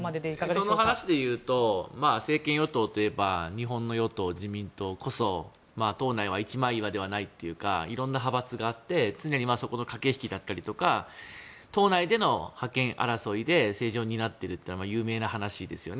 その話で言うと政権与党といえば日本の与党・自民党こそ党内は一枚岩ではないというか色んな派閥があって常にそこの駆け引きだったりとか党内での覇権争いで政治を担っているというのは有名な話ですよね。